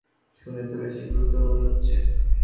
শুনে তো বেশি গুরুতর মনে হচ্ছে।